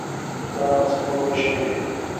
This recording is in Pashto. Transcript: دا څه نوي شی دی؟